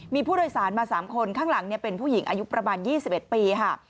มีผู้โดยสารมา๓คนข้างหลังเป็นผู้หญิงอายุประมาณ๒๑ปีค่ะ